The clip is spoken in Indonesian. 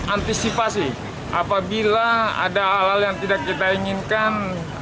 antisipasi apabila ada hal hal yang tidak kita inginkan